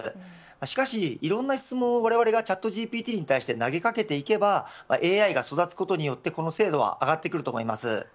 しかしいろんな質問をわれわれがチャットＧＰＴに対して投げかけていけばＡＩが育つことによってこの精度は上がってくると思います。